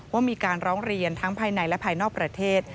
ว่ามีการร้องเรียนทั้งภายในและภายนอกประเทศ